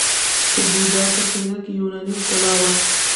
د بودا په څیره کې یوناني ښکلا وه